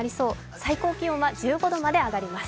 最高気温は１５度まで上がります。